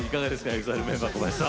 ＥＸＩＬＥメンバー小林さん。